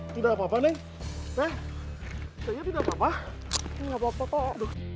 tidak apa apa nih deh tidak apa apa nggak papa papa